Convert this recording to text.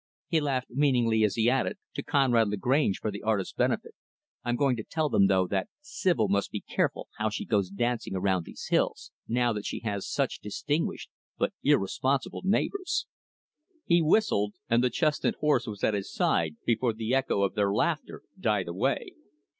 He laughed meaningly as he added, to Conrad Lagrange for the artist's benefit, "I'm going to tell them, though, that Sibyl must be careful how she goes dancing around these hills now that she has such distinguished but irresponsible neighbors." He whistled and the chestnut horse was at his side before the echo of their laughter died away.